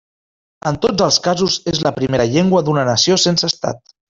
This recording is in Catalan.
En tots els casos és la primera llengua d'una nació sense Estat.